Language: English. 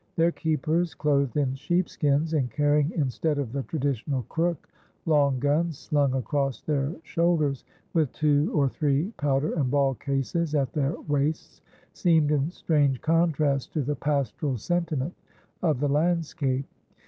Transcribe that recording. Their keepers, clothed in sheepskins, and carrying, instead of the traditional crook, long guns slung across their shoulders, with two or three powder and ball cases at their waists, seemed in strange contrast to the pastoral sentiment of the landscape.